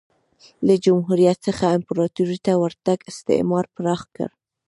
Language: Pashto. له جمهوریت څخه امپراتورۍ ته ورتګ استثمار پراخ کړ